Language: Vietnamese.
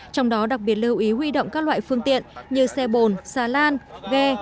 trong đó đặc biệt lưu ý huy động các loại phương tiện như xe bồn xà lan ghe